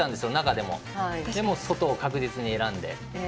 でも、外を確実に選んで。